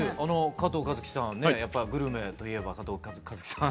加藤和樹さんやっぱグルメといえば加藤か和樹さん。